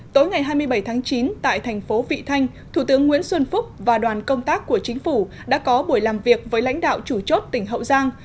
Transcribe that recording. tối ngày hai mươi bảy tháng chín tại thành phố vị thanh thủ tướng nguyễn xuân phúc và đoàn công tác của chính phủ đã có buổi làm việc với lãnh đạo chủ chốt tỉnh hậu giang